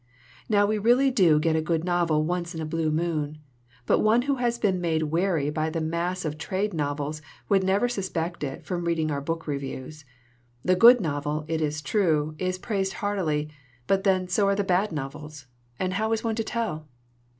Now we really do get a good novel once in a blue moon, but one who has been made wary by the mass of trade novels would never suspect it from reading our book reviews. The good novel, it is true, is praised heartily, but then so are all the bad novels and how is one to tell?